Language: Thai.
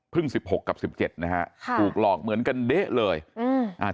สิบหกกับสิบเจ็ดนะฮะค่ะถูกหลอกเหมือนกันเด๊ะเลยอืมอ่า